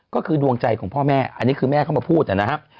ก็คือดวงใจของพ่อแม่อันนี้คือแม่เขามาพูดนะครับ